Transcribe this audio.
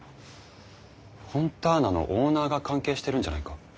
フォンターナのオーナーが関係してるんじゃないか？